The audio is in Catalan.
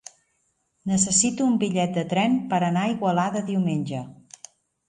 Necessito un bitllet de tren per anar a Igualada diumenge.